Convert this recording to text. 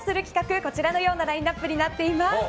こちらのようなラインアップになっています。